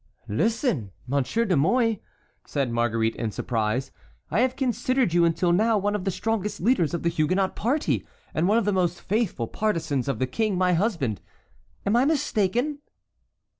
"Listen, Monsieur de Mouy," said Marguerite in surprise, "I have considered you until now one of the strongest leaders of the Huguenot party, and one of the most faithful partisans of the king my husband. Am I mistaken?"